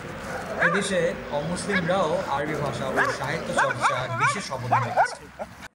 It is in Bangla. এদেশে অমুসলিমরাও আরবি ভাষা ও সাহিত্য চর্চায় বিশেষ অবদান রেখেছেন।